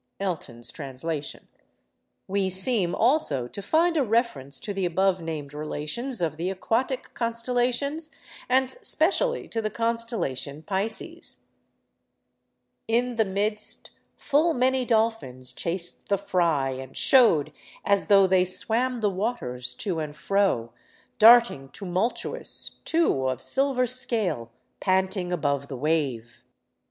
—Elton's Translation. We seem, also, to find a reference to the above named relations of the aquatic constellations, and specially to the constellation Pisces:— In the midst, Full many dolphins chased the fry, and show'd As though they swam the waters, to and fro Darting tumultuous: two of silver scale Panting above the wave.